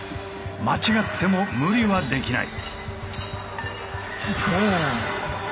間違っても無理はできない。